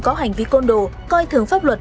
có hành vi côn đồ coi thường pháp luật